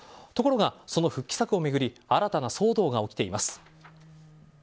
ところが、その復帰作を巡り新たな騒動が起きています。